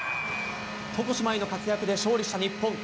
床姉妹の活躍で勝利した日本。